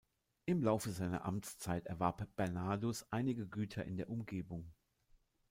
Im Laufe seiner Amtszeit erwarb Bernardus einige Güter in der Umgebung.